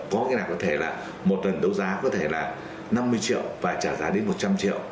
có cái nào có thể là một tuần đấu giá có thể là năm mươi triệu và trả giá đến một trăm linh triệu